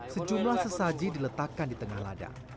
sejumlah sesaji diletakkan di tengah ladang